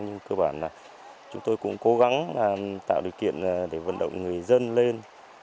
nhưng cơ bản là chúng tôi cũng cố gắng tạo điều kiện để vận động người dân lên